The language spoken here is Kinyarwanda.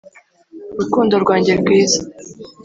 urukundo rwanjye rwiza